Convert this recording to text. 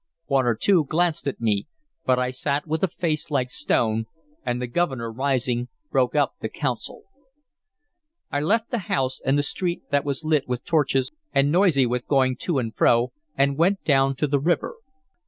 One or two glanced at me, but I sat with a face like stone, and the Governor, rising, broke up the council. I left the house, and the street that was lit with torches and noisy with going to and fro, and went down to the river.